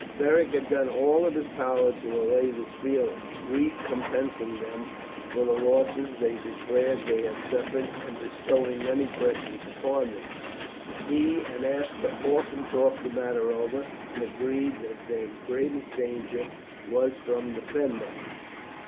Beric had done all in his power to allay this feeling, recompensing them for the losses they declared they had suffered, and bestowing many presents upon them. He and Aska often talked the matter over, and agreed that their greatest danger was from the Fenmen.